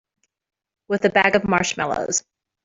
With a bag of marshmallows.